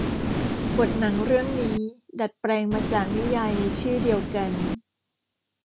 บทหนังเรื่องนี้ดัดแปลงมาจากนิยายในชื่อเดียวกัน